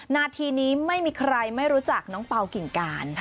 นาทีนี้ไม่มีใครไม่รู้จักน้องเปล่ากิ่งการ